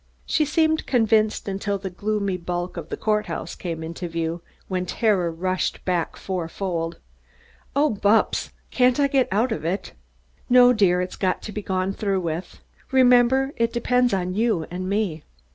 She seemed convinced until the gloomy bulk of the court house came in view, when terror rushed back fourfold. "Oh, Bupps, can't I get out of it?" "No, dear, it's got to be gone through with. Remember it depends on you and me."